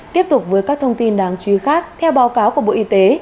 tiếp tục với các thông tin đáng chú ý khác theo báo cáo của bộ y tế